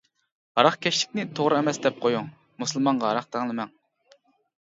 ھاراقكەشلىكنى توغرا ئەمەس دەپ قويۇڭ، مۇسۇلمانغا ھاراق تەڭلىمەڭ.